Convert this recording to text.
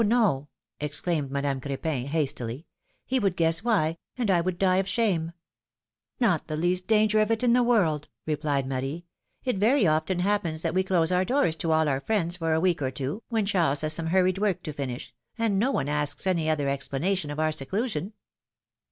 no," exclaimed Madame Cr^pin, hastily; ^^he would guess why, and I would die of shame !" Not the least danger of it in the world," replied Marie ; it very often happens that we close our doors to 260 PHILOMj^NE's MARRIAGES. all our friends for a week or two, when Charles has some hurried work to finish, and no one asks any other explana tion of our seclusion.